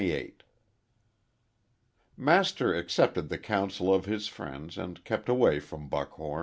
XXVIII MASTER accepted the counsel of his friend and kept away from Buckhom.